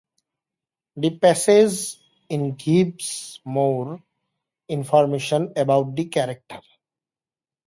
The passage in gives more information about the character.